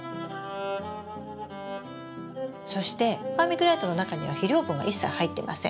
そしてバーミキュライトの中には肥料分が一切入ってません。